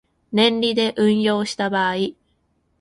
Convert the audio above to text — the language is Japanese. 年利で運用した場合